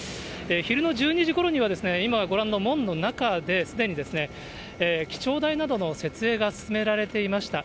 昼の１２時ごろには、今、ご覧の門の中ですでにですね、記帳台などの設営が進められていました。